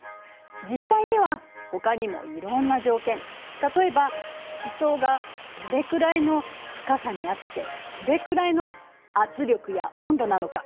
実際にはほかにもいろんな条件例えば地層がどれくらいの深さにあってどれくらいの圧力や温度なのか。